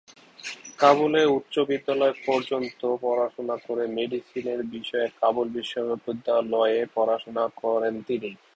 কাবুলে উচ্চবিদ্যালয় পর্যন্ত পড়াশোনা করে মেডিসিন বিষয়ে কাবুল বিশ্ববিদ্যালয়ে পড়াশোনা করেন তিনি।